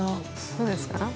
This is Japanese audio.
そうですか？